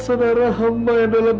sanara hamba yang dalam